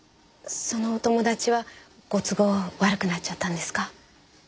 そのお友達はご都合悪くなっちゃったんですか？